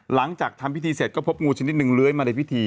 หลังจากทำพิธีเสร็จก็พบงูชนิดหนึ่งเลื้อยมาในพิธี